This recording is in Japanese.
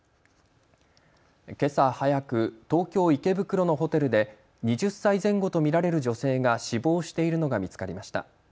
けさ早く、東京池袋のホテルで２０歳前後と見られる女性が死亡しているのが見つかりました。